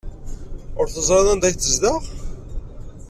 Ur teẓriḍ anda ay tezdeɣ?